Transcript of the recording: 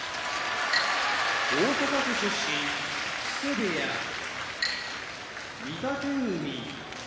大阪府出身木瀬部屋御嶽海